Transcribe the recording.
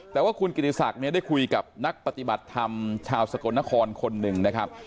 แต่ว่าคุณกิติศักดิ์เนี่ยได้คุยกับนักปฏิบัติธรรมชาวสกลนครคนหนึ่งนะครับ